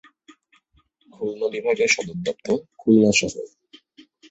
খুলনা বিভাগের সদর দপ্তর খুলনা শহর।